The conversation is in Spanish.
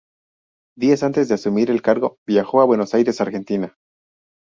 Días antes de asumir en el cargo, viajó a Buenos Aires, Argentina.